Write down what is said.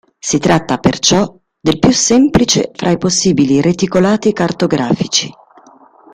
Si tratta, perciò, del più semplice fra i possibili reticolati cartografici.